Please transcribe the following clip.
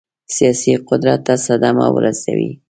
سیاسي قدرت ته صدمه ورسوي.